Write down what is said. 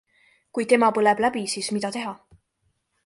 Kui tema põleb läbi, siis mida teha?